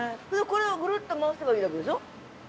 「これをぐるっと回せばいいだけでしょ？」